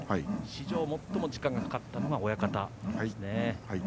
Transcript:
史上最も時間がかかったのが親方ですね。